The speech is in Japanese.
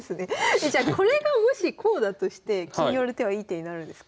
えじゃあこれがもしこうだとして金寄る手はいい手になるんですか？